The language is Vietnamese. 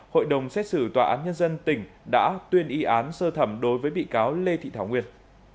hội đồng xét xử tòa án nhân dân tỉnh đã tuyên y án sơ thẩm đối với bị cáo lê thị thảo nguyên